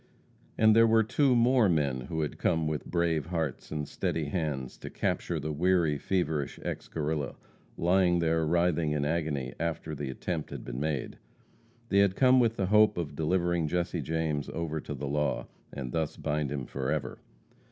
And there were two more men who had come with brave hearts and steady hands to capture the weary, feverish ex Guerrilla, lying there writhing in agony after the attempt had been made. They had come with the hope of delivering Jesse James over to the law, and thus bind him forever.